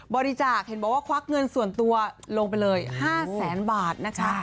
บริจาคเห็นบอกว่าควักเงินส่วนตัวลงไปเลย๕แสนบาทนะคะ